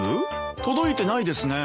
届いてないですね。